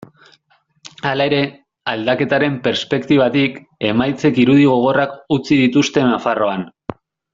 Hala ere, aldaketaren perspektibatik, emaitzek irudi gogorrak utzi dituzte Nafarroan.